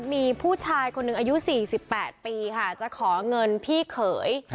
มีผู้ชายคนหนึ่งอายุ๔๘ปีค่ะจะขอเงินพี่เขย